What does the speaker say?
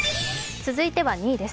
続いては２位です。